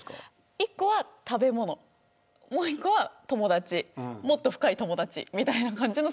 １個は食べ物、１個は友達もっと深い友達みたいな。